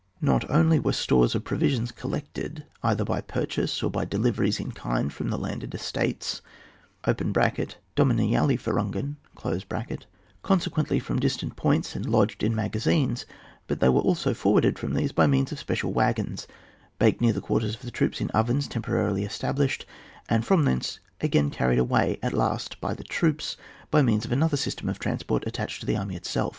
45 Not only were stores of provisions col lected, either by purchase or by deliveries in kind £rom the landed estates (Dominial lieferungen), consequently from distant points, and lodged in magazines, but they were also forwarded from these by means of special wagons, baked near the quarters of the troops in ovens temporarily es tablished, and from thence again carried away at last by the troops, by means of another system of transport attached to the army itself.